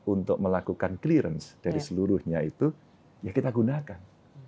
untuk melakukan clearance dari seluruhnya itu ya kita gunakan